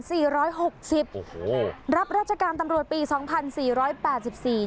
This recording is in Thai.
ร้อยหกสิบโอ้โหรับราชการตำรวจปีสองพันสี่ร้อยแปดสิบสี่